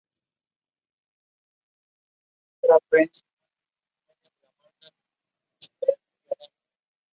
En este sentido, el endospermo de angiospermas sería homólogo del gametófito femenino de gimnospermas.